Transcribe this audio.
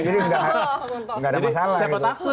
jadi nggak ada masalah gitu